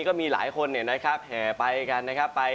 ก็มีหลายคนแห่ไปกัน